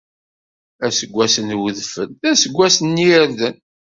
Aseggas n wedfel, d aseggas n yirden.